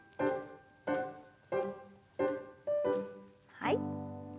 はい。